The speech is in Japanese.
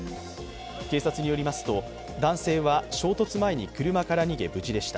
警察によりますと、男性は衝突前に車から逃げ、無事でした。